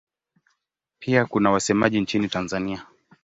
Pia kuna wasemaji nchini Tanzania.